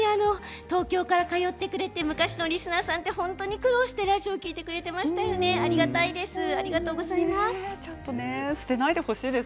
東京から通ってくれて昔のリスナーさんって本当に苦労してラジオ聞いてくれていますよね、ありがたいです。